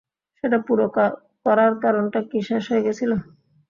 সেটা পুরো করার কারণটা কী শেষ হয়ে গেছিলো?